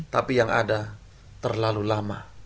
tapi yang ada terlalu lama